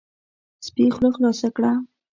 سپي خوله خلاصه کړه،